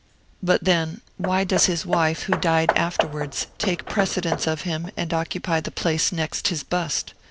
But, then, why does his wife, who died afterwards, take precedence of him and occupy the place next his bust?